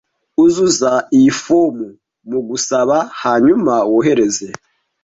Uzuza iyi fomu yo gusaba hanyuma wohereze